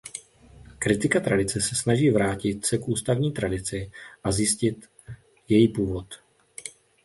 Kritika tradice se snaží vrátit se k ústní tradici a zjistit její původ.